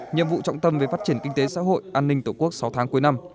nhiệm vụ trọng tâm về phát triển kinh tế xã hội an ninh tổ quốc sáu tháng cuối năm